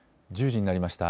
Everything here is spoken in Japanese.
１０時になりました。